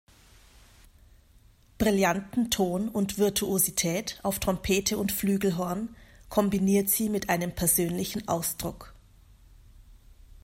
Brillanten Ton und Virtuosität auf Trompete und Flügelhorn kombiniert sie mit einem persönlichen Ausdruck.